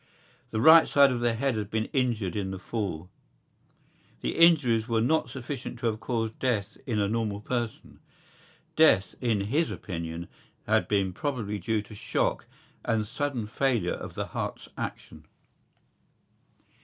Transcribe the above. The right side of the head had been injured in the fall. The injuries were not sufficient to have caused death in a normal person. Death, in his opinion, had been probably due to shock and sudden failure of the heart's action.